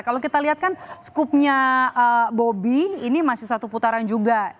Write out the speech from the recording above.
kalau kita lihat kan skupnya bobi ini masih satu putaran juga